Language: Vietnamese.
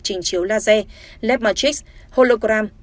trình chiếu laser led matrix hologram